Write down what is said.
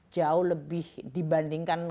jauh lebih dibandingkan